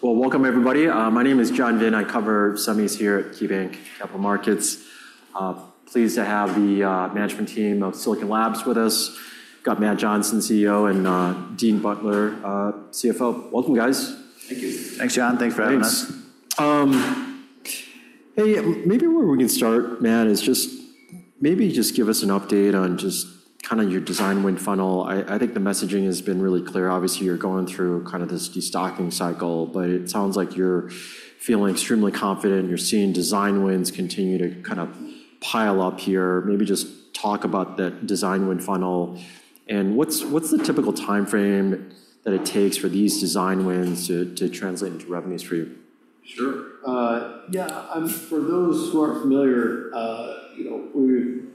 Well, welcome, everybody. My name is John Vinh. I cover some of these here at KeyBanc Capital Markets. Pleased to have the management team of Silicon Labs with us. Got Matt Johnson, CEO, and Dean Butler, CFO. Welcome, guys. Thank you. Thanks, John. Thanks for having us. Hey, maybe where we can start, Matt, is just maybe just give us an update on just kind of your design win funnel. I think the messaging has been really clear. Obviously, you're going through kind of this destocking cycle, but it sounds like you're feeling extremely confident. You're seeing design wins continue to kind of pile up here. Maybe just talk about that design win funnel and what's the typical time frame that it takes for these design wins to translate into revenues for you? Sure. Yeah. For those who aren't familiar, we're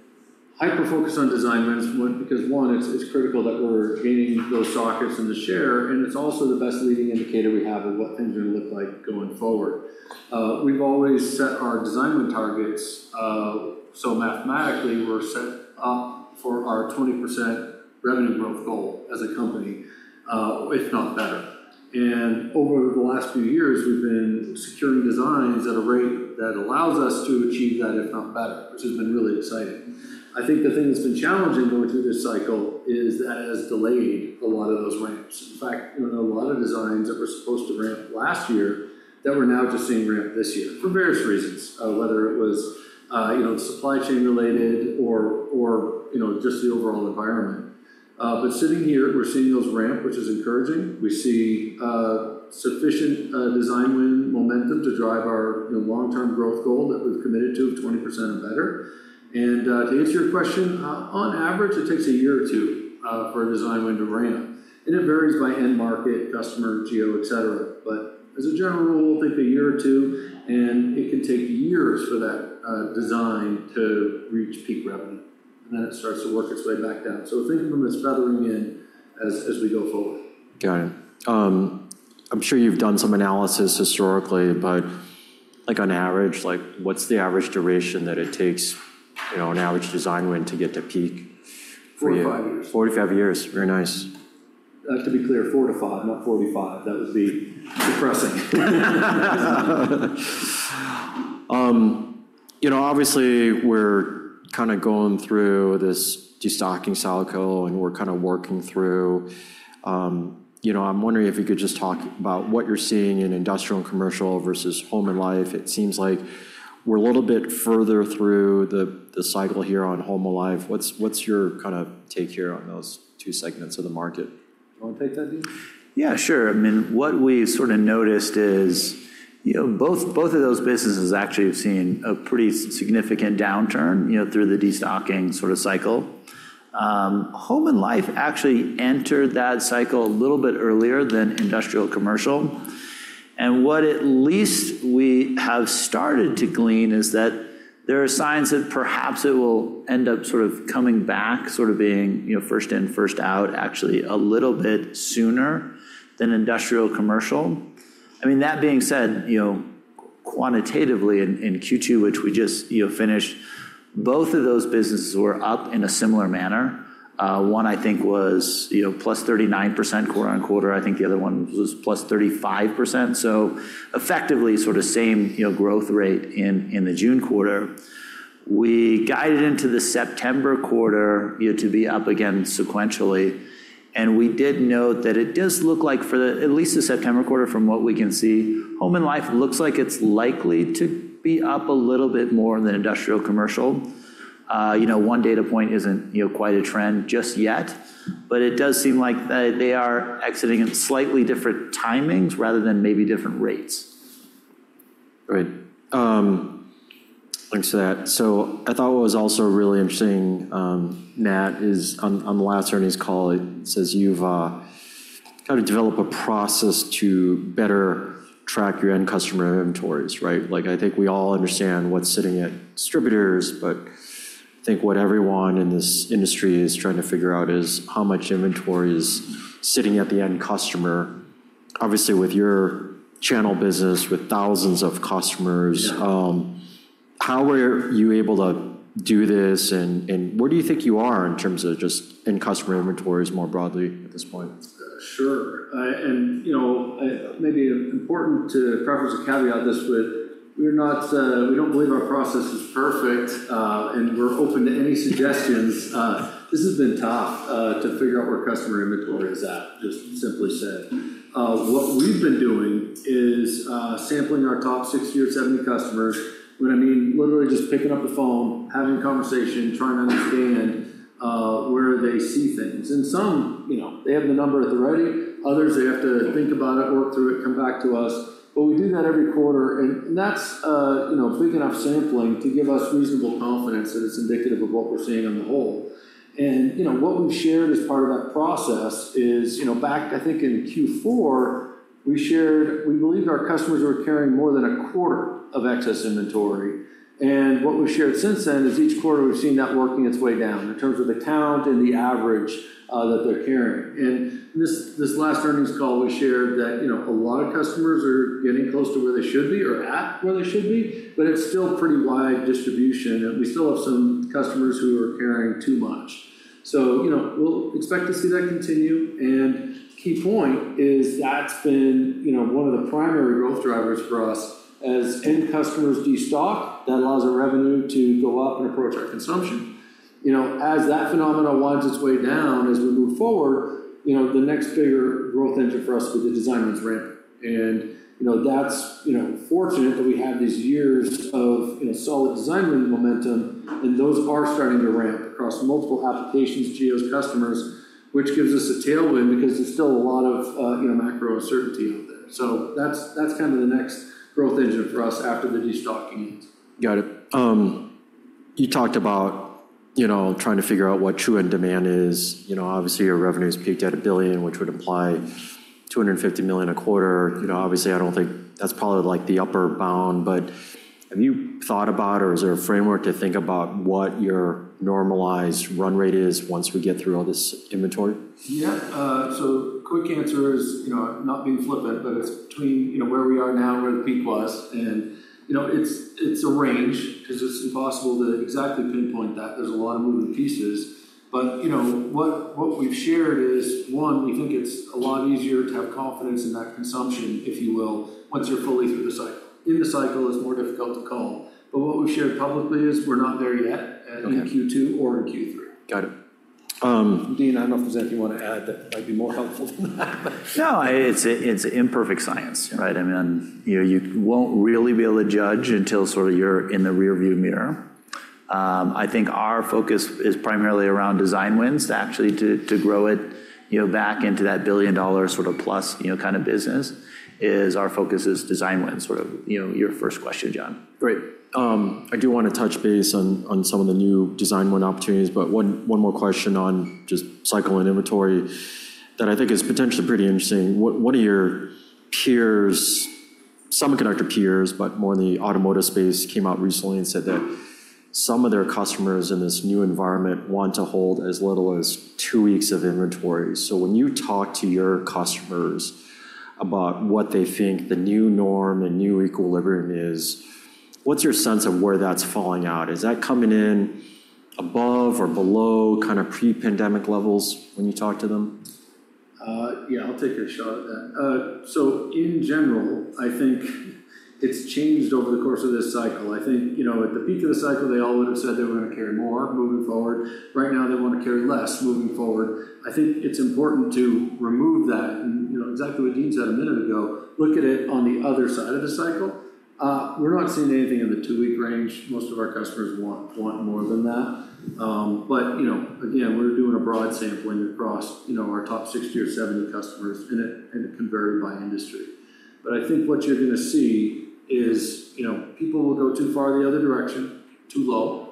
hyper-focused on design wins because, one, it's critical that we're gaining those sockets in the share, and it's also the best leading indicator we have of what things are going to look like going forward. We've always set our design win targets. So mathematically, we're set up for our 20% revenue growth goal as a company, if not better. And over the last few years, we've been securing designs at a rate that allows us to achieve that, if not better, which has been really exciting. I think the thing that's been challenging going through this cycle is that it has delayed a lot of those ramps. In fact, a lot of designs that were supposed to ramp last year that we're now just seeing ramp this year for various reasons, whether it was supply chain related or just the overall environment. But sitting here, we're seeing those ramp, which is encouraging. We see sufficient design win momentum to drive our long-term growth goal that we've committed to of 20% or better. To answer your question, on average, it takes a year or two for a design win to ramp. It varies by end market, customer, geo, etc. But as a general rule, we'll think a year or two, and it can take years for that design to reach peak revenue. Then it starts to work its way back down. We're thinking from this feathering in as we go forward. Got it. I'm sure you've done some analysis historically, but on average, what's the average duration that it takes an average design win to get to peak? 45 years. 45 years. Very nice. To be clear, four to five, not 45. That would be depressing. Obviously, we're kind of going through this destocking cycle, and we're kind of working through. I'm wondering if you could just talk about what you're seeing in Industrial Commercial versus Home and Life. It seems like we're a little bit further through the cycle here on Home and Life. What's your kind of take here on those two segments of the market? Do you want to take that, Dean? Yeah, sure. I mean, what we sort of noticed is both of those businesses actually have seen a pretty significant downturn through the destocking sort of cycle. Home and Life actually entered that cycle a little bit earlier than Industrial Commercial. What at least we have started to glean is that there are signs that perhaps it will end up sort of coming back, sort of being first in, first out, actually a little bit sooner than Industrial Commercial. I mean, that being said, quantitatively in Q2, which we just finished, both of those businesses were up in a similar manner. One, I think, was +39% quarter-over-quarter. I think the other one was +35%. Effectively sort of same growth rate in the June quarter. We guided into the September quarter to be up again sequentially. We did note that it does look like for at least the September quarter, from what we can see, Home and Life looks like it's likely to be up a little bit more than Industrial Commercial. One data point isn't quite a trend just yet, but it does seem like they are exiting at slightly different timings rather than maybe different rates. Great. Thanks for that. So I thought what was also really interesting, Matt, is on the last earnings call, it says you've kind of developed a process to better track your end customer inventories, right? I think we all understand what's sitting at distributors, but I think what everyone in this industry is trying to figure out is how much inventory is sitting at the end customer. Obviously, with your channel business with thousands of customers, how are you able to do this? And where do you think you are in terms of just end customer inventories more broadly at this point? Sure. And maybe important to preface a caveat this with, we don't believe our process is perfect, and we're open to any suggestions. This has been tough to figure out where customer inventory is at, just simply said. What we've been doing is sampling our top 60 or 70 customers, what I mean, literally just picking up the phone, having a conversation, trying to understand where they see things. And some they have the number at the ready. Others, they have to think about it, work through it, come back to us. But we do that every quarter. And that's big enough sampling to give us reasonable confidence that it's indicative of what we're seeing on the whole. And what we've shared as part of that process is back, I think, in Q4, we shared we believed our customers were carrying more than a quarter of excess inventory. And what we've shared since then is each quarter we've seen that working its way down in terms of the count and the average that they're carrying. And this last earnings call, we shared that a lot of customers are getting close to where they should be or at where they should be, but it's still pretty wide distribution. And we still have some customers who are carrying too much. So we'll expect to see that continue. And key point is that's been one of the primary growth drivers for us. As end customers destock, that allows our revenue to go up and approach our consumption. As that phenomenon winds its way down as we move forward, the next bigger growth engine for us would be the design wins ramp. That's fortunate that we have these years of solid design win momentum, and those are starting to ramp across multiple applications, geos, customers, which gives us a tailwind because there's still a lot of macro uncertainty out there. So that's kind of the next growth engine for us after the destocking ends. Got it. You talked about trying to figure out what true end demand is. Obviously, your revenue peaked at $1 billion, which would imply $250 million a quarter. Obviously, I don't think that's probably the upper bound, but have you thought about or is there a framework to think about what your normalized run rate is once we get through all this inventory? Yeah. So quick answer is not being flippant, but it's between where we are now, where the peak was, and it's a range because it's impossible to exactly pinpoint that. There's a lot of moving pieces. But what we've shared is, one, we think it's a lot easier to have confidence in that consumption, if you will, once you're fully through the cycle. In the cycle, it's more difficult to call. But what we've shared publicly is we're not there yet in Q2 or in Q3. Got it. Dean, I don't know if there's anything you want to add that might be more helpful than that. No, it's imperfect science, right? I mean, you won't really be able to judge until sort of you're in the rearview mirror. I think our focus is primarily around design wins. Actually, to grow it back into that billion-dollar sort of plus kind of business is our focus is design wins, sort of your first question, John. Great. I do want to touch base on some of the new design win opportunities, but one more question on just cycle and inventory that I think is potentially pretty interesting. One of your peers, semiconductor peers, but more in the automotive space, came out recently and said that some of their customers in this new environment want to hold as little as two weeks of inventory. So when you talk to your customers about what they think the new norm and new equilibrium is, what's your sense of where that's falling out? Is that coming in above or below kind of pre-pandemic levels when you talk to them? Yeah, I'll take a shot at that. So in general, I think it's changed over the course of this cycle. I think at the peak of the cycle, they all would have said they were going to carry more moving forward. Right now, they want to carry less moving forward. I think it's important to remove that. And exactly what Dean said a minute ago, look at it on the other side of the cycle. We're not seeing anything in the two-week range. Most of our customers want more than that. But again, we're doing a broad sampling across our top 60 or 70 customers, and it can vary by industry. But I think what you're going to see is people will go too far the other direction, too low.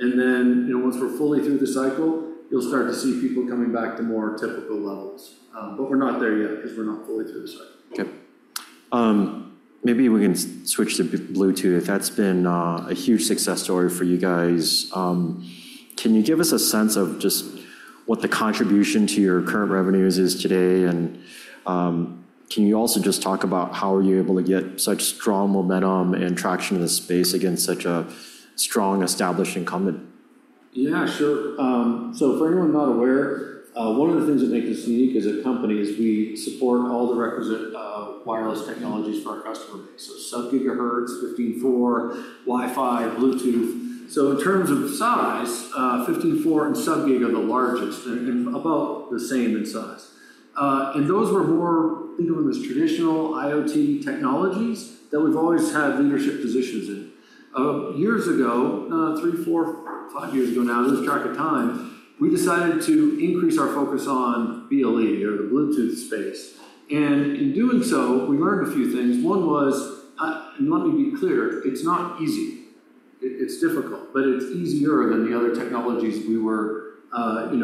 And then once we're fully through the cycle, you'll start to see people coming back to more typical levels. But we're not there yet because we're not fully through the cycle. Okay. Maybe we can switch to Bluetooth. That's been a huge success story for you guys. Can you give us a sense of just what the contribution to your current revenues is today? And can you also just talk about how are you able to get such strong momentum and traction in this space against such a strong established incumbent? Yeah, sure. So for anyone not aware, one of the things that makes us unique as a company is we support all the wireless technologies for our customer base, so sub-GHz, 15.4, Wi-Fi, Bluetooth. So in terms of size, 15.4 and sub-gig are the largest and about the same in size. And those were more thinking of them as traditional IoT technologies that we've always had leadership positions in. Years ago, 3/4, 5 years ago now, lose track of time, we decided to increase our focus on BLE or the Bluetooth space. And in doing so, we learned a few things. One was, and let me be clear, it's not easy. It's difficult, but it's easier than the other technologies we were kind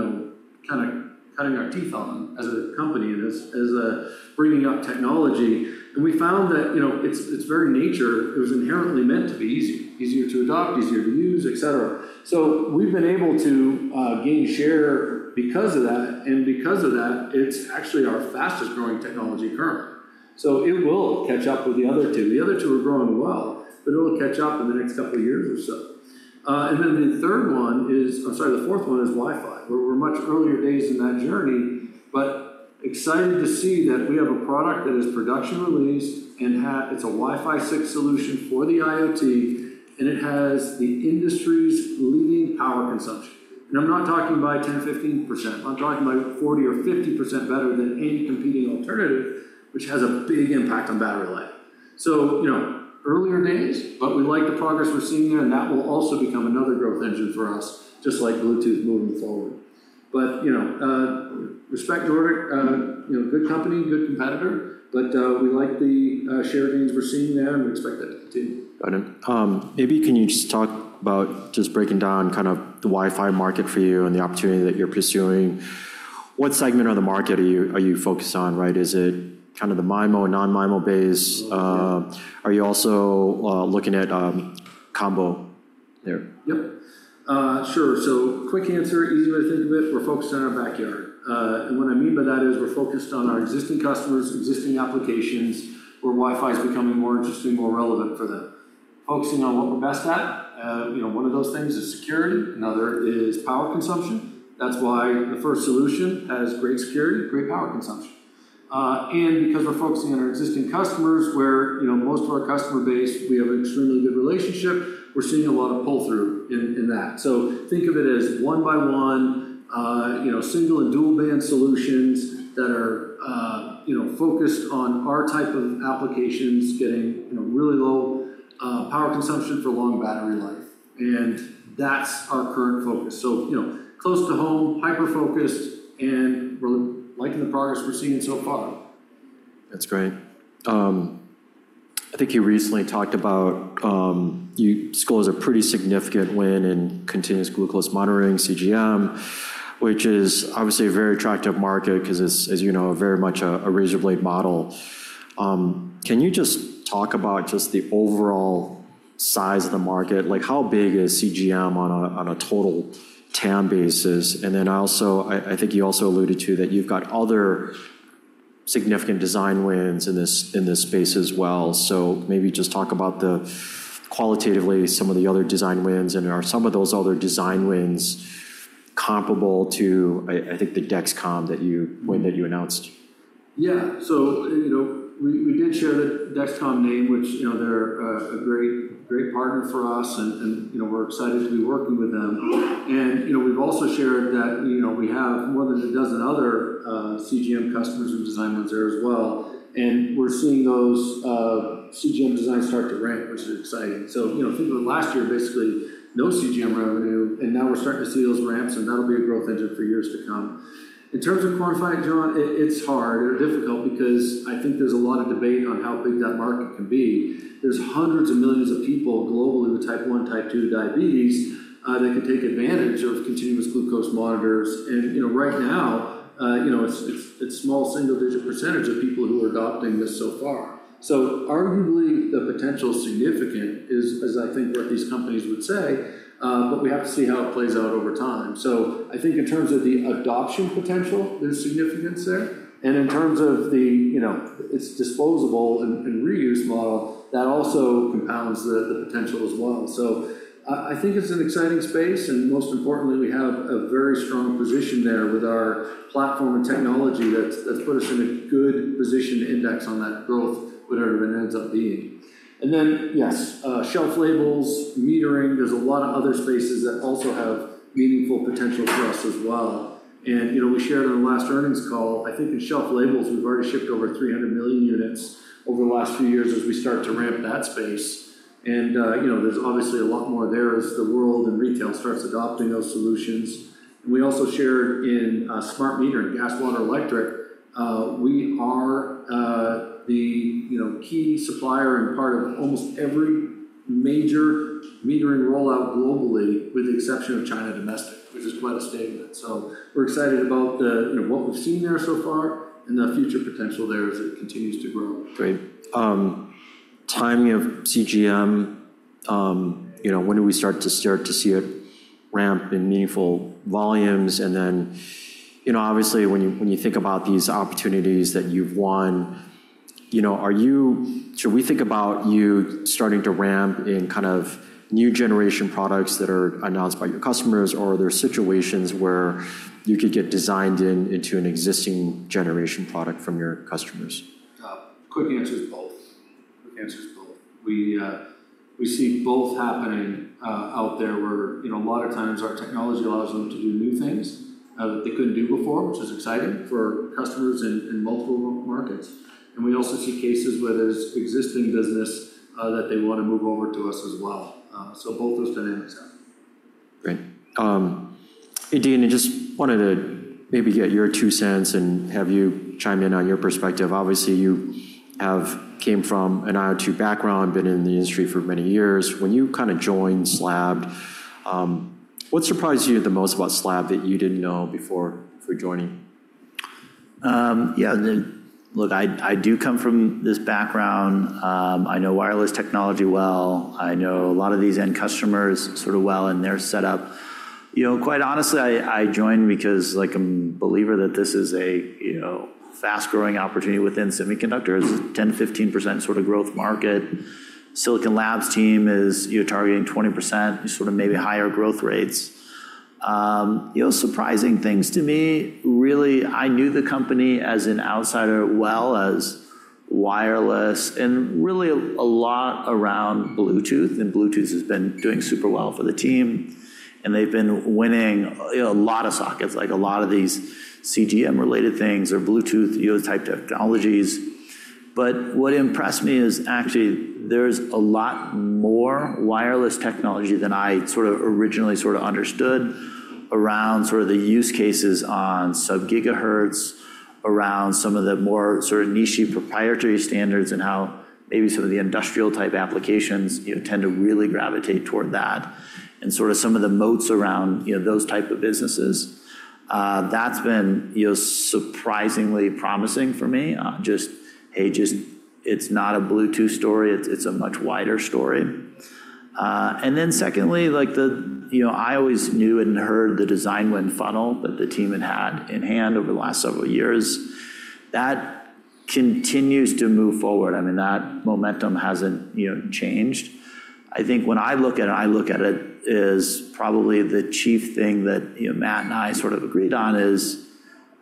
of cutting our teeth on as a company and as bringing up technology. We found that its very nature, it was inherently meant to be easy, easier to adopt, easier to use, etc. So we've been able to gain share because of that. And because of that, it's actually our fastest growing technology currently. So it will catch up with the other two. The other two are growing well, but it will catch up in the next couple of years or so. And then the third one is, or sorry, the fourth one is Wi-Fi. We're much earlier days in that journey, but excited to see that we have a product that is production released, and it's a Wi-Fi 6 solution for the IoT, and it has the industry's leading power consumption. And I'm not talking by 10%, 15%. I'm talking by 40% or 50% better than any competing alternative, which has a big impact on battery life. So early days, but we like the progress we're seeing there, and that will also become another growth engine for us, just like Bluetooth moving forward. But with respect to Nordic, good company, good competitor, but we like the share gains we're seeing there, and we expect that to continue. Got it. Maybe can you just talk about just breaking down kind of the Wi-Fi market for you and the opportunity that you're pursuing? What segment of the market are you focused on, right? Is it kind of the MIMO, non-MIMO base? Are you also looking at combo there? Yep. Sure. So quick answer, easy way to think of it, we're focused on our backyard. And what I mean by that is we're focused on our existing customers, existing applications where Wi-Fi is becoming more interesting, more relevant for them. Focusing on what we're best at, one of those things is security. Another is power consumption. That's why the first solution has great security, great power consumption. And because we're focusing on our existing customers, where most of our customer base, we have an extremely good relationship, we're seeing a lot of pull-through in that. So think of it as one-by-one, single and dual-band solutions that are focused on our type of applications getting really low power consumption for long battery life. And that's our current focus. So close to home, hyper-focused, and liking the progress we're seeing so far. That's great. I think you recently talked about you, school is a pretty significant win in continuous glucose monitoring, CGM, which is obviously a very attractive market because it's, as you know, very much a razor-blade model. Can you just talk about just the overall size of the market? How big is CGM on a total TAM basis? I think you also alluded to that you've got other significant design wins in this space as well. Maybe just talk about qualitatively some of the other design wins. Are some of those other design wins comparable to, I think, the Dexcom that you announced? Yeah. We did share the Dexcom name, which they're a great partner for us, and we're excited to be working with them. We've also shared that we have more than a dozen other CGM customers and design wins there as well. We're seeing those CGM designs start to ramp, which is exciting. Think of last year, basically no CGM revenue, and now we're starting to see those ramps, and that'll be a growth engine for years to come. In terms of form size, John, it's hard or difficult because I think there's a lot of debate on how big that market can be. There's hundreds of millions of people globally with type 1, type 2 diabetes that can take advantage of continuous glucose monitors. Right now, it's small single-digit percentage of people who are adopting this so far. Arguably the potential significance is, as I think what these companies would say, but we have to see how it plays out over time. I think in terms of the adoption potential, there's significance there. In terms of its disposable and reuse model, that also compounds the potential as well. I think it's an exciting space. Most importantly, we have a very strong position there with our platform and technology that's put us in a good position to index on that growth, whatever it ends up being. Then, yes, shelf labels, metering, there's a lot of other spaces that also have meaningful potential for us as well. We shared on the last earnings call, I think in shelf labels, we've already shipped over 300 million units over the last few years as we start to ramp that space. There's obviously a lot more there as the world and retail starts adopting those solutions. We also shared in smart metering, gas, water, electric. We are the key supplier and part of almost every major metering rollout globally with the exception of China domestic, which is quite a statement. So we're excited about what we've seen there so far and the future potential there as it continues to grow. Great. Timing of CGM, when do we start to see it ramp in meaningful volumes? And then obviously, when you think about these opportunities that you've won, should we think about you starting to ramp in kind of new generation products that are announced by your customers, or are there situations where you could get designed into an existing generation product from your customers? Quick answer is both. Quick answer is both. We see both happening out there where a lot of times our technology allows them to do new things that they couldn't do before, which is exciting for customers in multiple markets. And we also see cases where there's existing business that they want to move over to us as well. So both those dynamics happen. Great. Dean, I just wanted to maybe get your two cents and have you chime in on your perspective. Obviously, you came from an IoT background, been in the industry for many years. When you kind of joined Silicon Labs, what surprised you the most about Silicon Labs that you didn't know before joining? Yeah. Look, I do come from this background. I know wireless technology well. I know a lot of these end customers sort of well and their setup. Quite honestly, I joined because I'm a believer that this is a fast-growing opportunity within semiconductors, 10%-15% sort of growth market. Silicon Labs team is targeting 20%, sort of maybe higher growth rates. Surprising things to me, really. I knew the company as an outsider well as wireless and really a lot around Bluetooth. And Bluetooth has been doing super well for the team. And they've been winning a lot of sockets, like a lot of these CGM-related things or Bluetooth-IoT type technologies. But what impressed me is actually there's a lot more wireless technology than I sort of originally sort of understood around sort of the use cases on sub-GHz, around some of the more sort of niche proprietary standards and how maybe some of the industrial-type applications tend to really gravitate toward that and sort of some of the moats around those types of businesses. That's been surprisingly promising for me. Just, hey, it's not a Bluetooth story. It's a much wider story. And then secondly, I always knew and heard the design win funnel that the team had had in hand over the last several years. That continues to move forward. I mean, that momentum hasn't changed. I think when I look at it, I look at it as probably the chief thing that Matt and I sort of agreed on is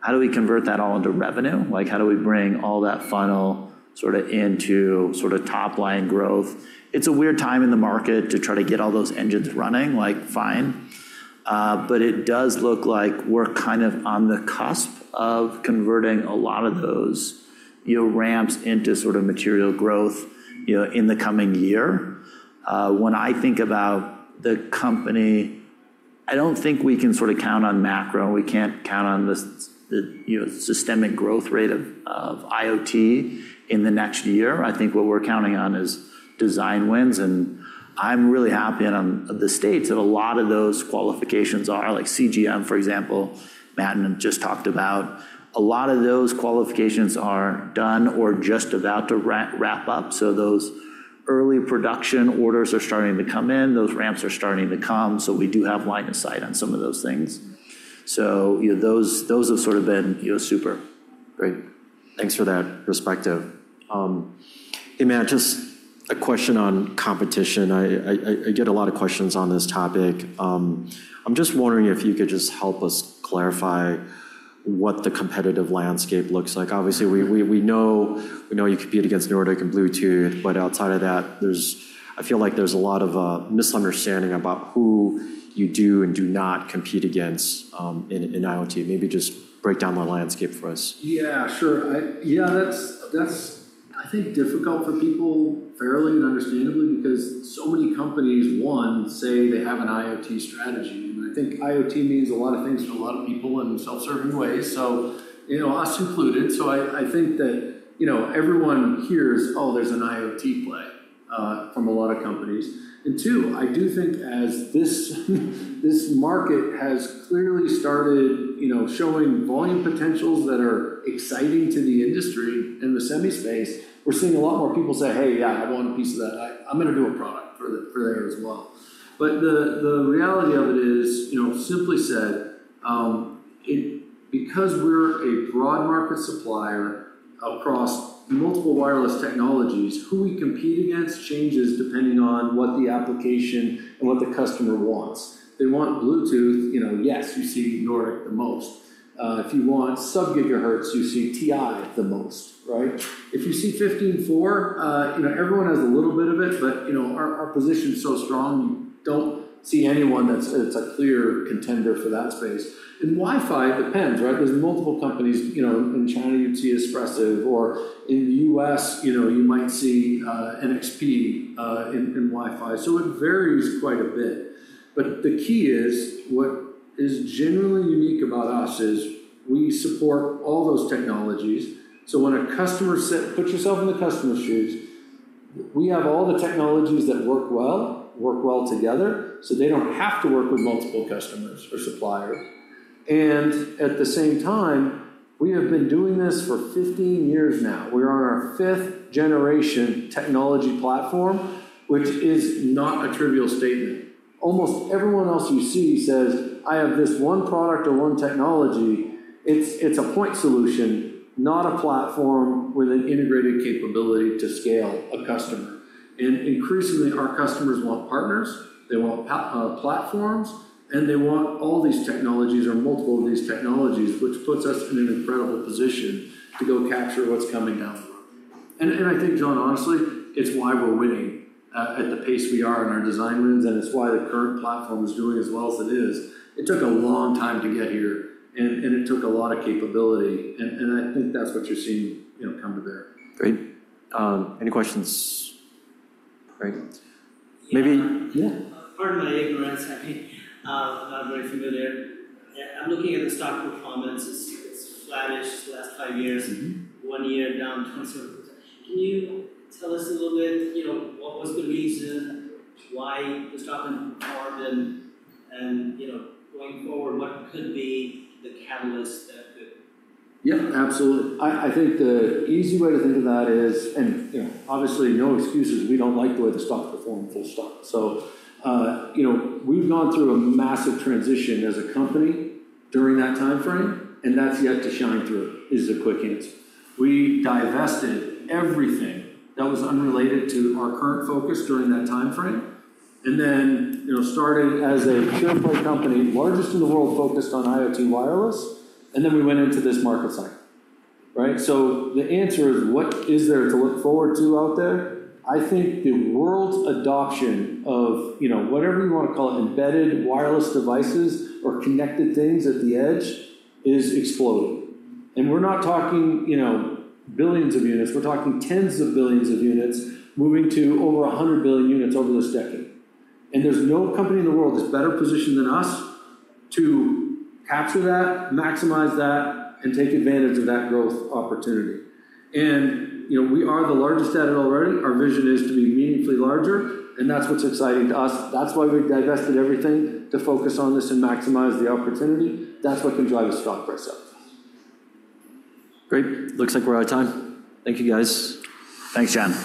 how do we convert that all into revenue? How do we bring all that funnel sort of into sort of top-line growth? It's a weird time in the market to try to get all those engines running, fine. But it does look like we're kind of on the cusp of converting a lot of those ramps into sort of material growth in the coming year. When I think about the company, I don't think we can sort of count on macro. We can't count on the systemic growth rate of IoT in the next year. I think what we're counting on is design wins. And I'm really happy in the States that a lot of those qualifications are like CGM, for example, Matt and I just talked about. A lot of those qualifications are done or just about to wrap up. So those early production orders are starting to come in. Those ramps are starting to come. So we do have line of sight on some of those things. So those have sort of been super. Great. Thanks for that perspective. Hey, Matt, just a question on competition. I get a lot of questions on this topic. I'm just wondering if you could just help us clarify what the competitive landscape looks like. Obviously, we know you compete against Nordic and Bluetooth, but outside of that, I feel like there's a lot of misunderstanding about who you do and do not compete against in IoT. Maybe just break down the landscape for us. Yeah, sure. Yeah, that's, I think, difficult for people fairly and understandably because so many companies, one, say they have an IoT strategy. And I think IoT means a lot of things for a lot of people in self-serving ways, so us included. So I think that everyone hears, "Oh, there's an IoT play from a lot of companies." And two, I do think as this market has clearly started showing volume potentials that are exciting to the industry in the semi space, we're seeing a lot more people say, "Hey, yeah, I want a piece of that. I'm going to do a product for there as well." But the reality of it is, simply said, because we're a broad market supplier across multiple wireless technologies, who we compete against changes depending on what the application and what the customer wants. If they want Bluetooth, yes, you see Nordic the most. If you want sub-GHz, you see TI the most, right? If you see 15.4, everyone has a little bit of it, but our position is so strong, you don't see anyone that's a clear contender for that space. And Wi-Fi depends, right? There's multiple companies. In China, you'd see Espressif, or in the US, you might see NXP in Wi-Fi. So it varies quite a bit. But the key is what is generally unique about us is we support all those technologies. So when a customer puts yourself in the customer's shoes, we have all the technologies that work well, work well together, so they don't have to work with multiple customers or suppliers. And at the same time, we have been doing this for 15 years now. We're on our fifth-generation technology platform, which is not a trivial statement. Almost everyone else you see says, "I have this one product or one technology." It's a point solution, not a platform with an integrated capability to scale a customer. And increasingly, our customers want partners. They want platforms, and they want all these technologies or multiple of these technologies, which puts us in an incredible position to go capture what's coming down the road. And I think, John, honestly, it's why we're winning at the pace we are in our design wins, and it's why the current platform is doing as well as it is. It took a long time to get here, and it took a lot of capability. And I think that's what you're seeing come to bear. Great. Any questions? Great. Maybe. Pardon my ignorance. I mean, not very familiar. I'm looking at the stock performance. It's flat-ish the last 5 years, one year down 27%. Can you tell us a little bit what was the reason why the stock has performed? Going forward, what could be the catalyst that could? Yeah, absolutely. I think the easy way to think of that is, and obviously, no excuses. We don't like the way the stock performed full stop. So we've gone through a massive transition as a company during that timeframe, and that's yet to shine through is the quick answer. We divested everything that was unrelated to our current focus during that timeframe and then started as a shareholder company, largest in the world focused on IoT wireless, and then we went into this market cycle. Right? So the answer is, what is there to look forward to out there? I think the world's adoption of whatever you want to call it, embedded wireless devices or connected things at the edge is exploding. And we're not talking billions of units. We're talking tens of billions of units moving to over 100 billion units over this decade. There's no company in the world that's better positioned than us to capture that, maximize that, and take advantage of that growth opportunity. And we are the largest at it already. Our vision is to be meaningfully larger, and that's what's exciting to us. That's why we've divested everything to focus on this and maximize the opportunity. That's what can drive a stock price up. Great. Looks like we're out of time. Thank you, guys. Thanks, John.